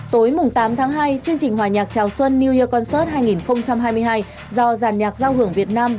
tối tám tháng hai chương trình hòa nhạc chào xuân new year concert hai nghìn hai mươi hai do giàn nhạc giao hưởng việt nam